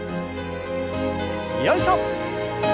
よいしょ！